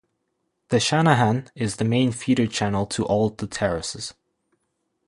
The Shahnahar is the main feeder channel to all the terraces.